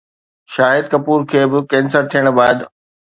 شاهد ڪپور کي به ڪينسر ٿيڻ بعد؟